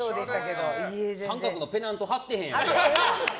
三角のペナント貼ってへんやん。